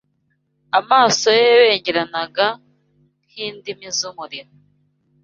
amaso ye yabengeranaga nk’indimi z’umuriro